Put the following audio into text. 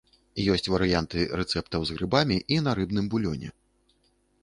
Ёсць варыянты рэцэптаў з грыбамі і на рыбным булёне.